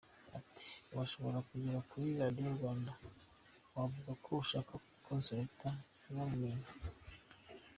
Ati “Washoboraga kugera kuri Radio Rwanda wavuga ko ushaka Consolata ntibamumenye.